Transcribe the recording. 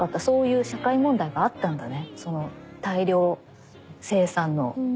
そういう社会問題があったんだね大量生産の。